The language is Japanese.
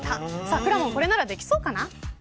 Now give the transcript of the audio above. くらもんこれならできそうかな。